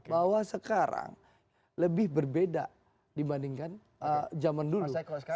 bahwa sekarang lebih berbeda dibandingkan zaman dulu